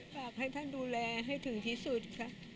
ฝากให้ท่านดูแลให้ถึงที่สุดค่ะ